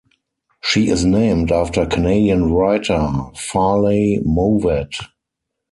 She is named after Canadian writer Farley Mowat.